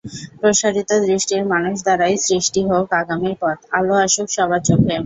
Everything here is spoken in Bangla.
প্রসারিত দৃষ্টির মানুষ দ্বারাই সৃষ্টি হোক আগামীর পথ, আলো আসুক সবার চোখে।